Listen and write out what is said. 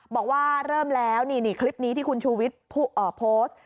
บอกว่าเริ่มแล้วนี่คลิปนี้ที่คุณชูวิทย์โพสต์